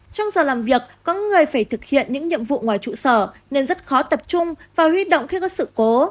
trong giờ làm việc có người phải thực hiện những nhiệm vụ ngoài trụ sở nên rất khó tập trung và huy động khi có sự cố